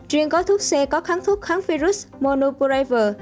riêng gói thuốc c có kháng thuốc kháng virus monoprever